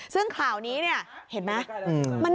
ซึ่งข่าวนี้เนี่ยเห็นไหม